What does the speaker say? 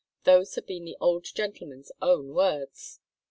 Those had been the old gentleman's own words.